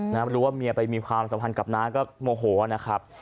ไม่รู้ว่าเมียไปมีความสัมพันธ์กับน้าก็โมโหนะครับ